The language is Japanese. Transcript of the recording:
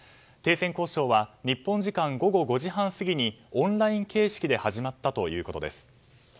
停戦交渉は日本時間午後５時半過ぎにオンライン形式で始まったということです。